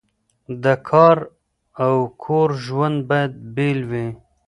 د کار او کور ژوند باید بیل وي.